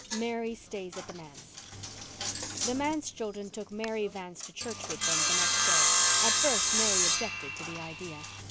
MARY STAYS AT THE MANSE The manse children took Mary Vance to church with them the next day. At first Mary objected to the idea.